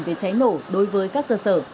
về cháy nổ đối với các cơ sở